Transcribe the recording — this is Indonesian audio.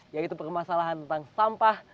yaitu permasalahan tentang sampah